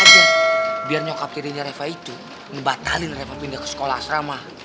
lagi lagi biar nyokap cedinya reva itu ngebatalin reva pindah ke sekolah asrama